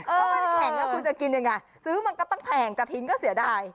เออมันแข็งอ่ะคุณจะกินยังไงเกรงจาถิ้นก็เสี่ยได้